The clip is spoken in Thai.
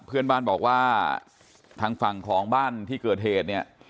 เพื่อนบ้านบอกว่าทางฝั่งของบ้านที่เกิดเหตุเนี่ย